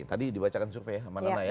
tadi dibacakan survei ya mbak nana ya